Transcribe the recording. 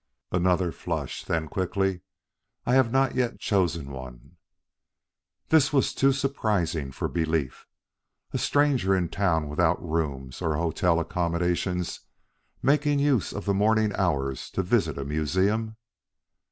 Another flush then quickly: "I have not yet chosen one." This was too surprising for belief. A stranger in town without rooms or hotel accommodations, making use of the morning hours to visit a museum!